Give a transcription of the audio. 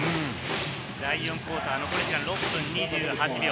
第４クオーター、残り時間６分２８秒。